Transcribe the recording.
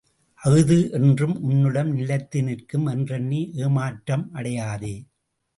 அஃது என்றும் உன்னிடம் நிலைத்து நிற்கும் என்றெண்ணி ஏமாற்றம் அடையாதே!